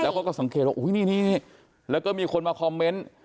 แล้วก็สังเกตโอ้โหนี่แล้วก็มีคนมาคอมเมนต์